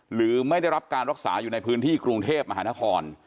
หรือไม่ได้รับการรักษาอยู่ในพื้นที่กรุงเทพมหานคร